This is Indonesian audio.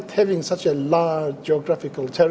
memiliki wilayah geografis yang besar